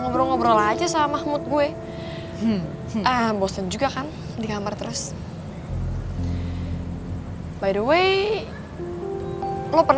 beda serakah sama cerdik